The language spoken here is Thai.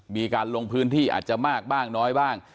มีการลงพื้นที่อาจจะมากบ้างน้อยบ้าง